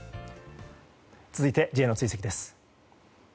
続いて、Ｊの追跡です。